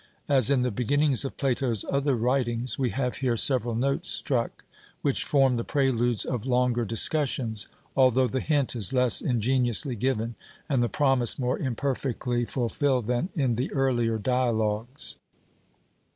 As in the beginnings of Plato's other writings, we have here several 'notes' struck, which form the preludes of longer discussions, although the hint is less ingeniously given, and the promise more imperfectly fulfilled than in the earlier dialogues.